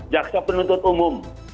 jaksa penuntut umum